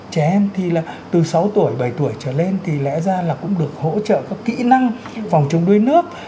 trẻ em thì là từ sáu tuổi bảy tuổi trở lên thì lẽ ra là cũng được hỗ trợ các kỹ năng phòng chống đuối nước